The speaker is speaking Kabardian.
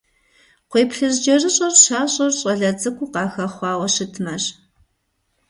КхъуейплъыжькӀэрыщӀэр щащӀыр щӀалэ цӀыкӀу къахэхъуауэ щытмэщ.